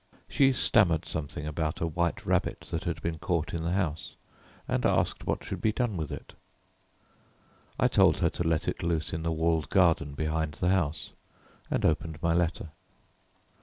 She stammered something about a white rabbit that had been caught in the house, and asked what should be done with it I told her to let it loose in the walled garden behind the house, and opened my letter.